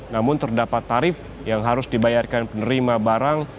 namun terdapat tarif yang harus dibayarkan penerima barang